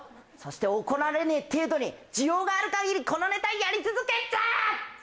そして怒られねえ程度に需要がある限りこのネタやり続けんぞ！